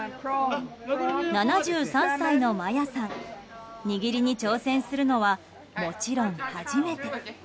７３歳のマヤさん握りに挑戦するのはもちろん初めて。